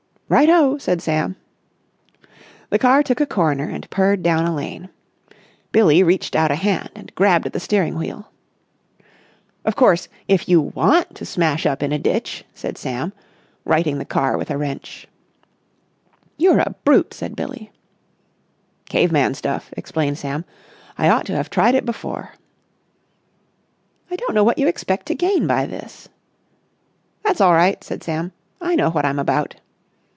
"Right ho!" said Sam. The car took a corner and purred down a lane. Billie reached out a hand and grabbed at the steering wheel. "Of course, if you want to smash up in a ditch!" said Sam, righting the car with a wrench. "You're a brute!" said Billie. "Caveman stuff," explained Sam, "I ought to have tried it before." "I don't know what you expect to gain by this." "That's all right," said Sam, "I know what I'm about."